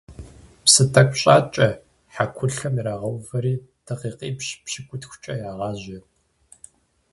Псы тӀэкӀу щӀакӀэ, хьэкулъэм ирагъэувэри, дакъикъипщӏ-пщыкӏутхукӀэ ягъажьэ.